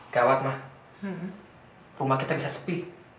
gawat mah rumah kita bisa sepi